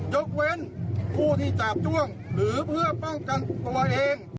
ยกเว้นผู้ที่จาบจ้วงหรือเพื่อป้องกันตัวเอง